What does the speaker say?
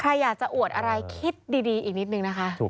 แล้วก็อวดอะไรคิดดีอีกนิดนึงนะคะ